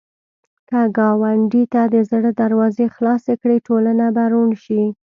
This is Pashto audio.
که ګاونډي ته د زړه دروازې خلاصې کړې، ټولنه به روڼ شي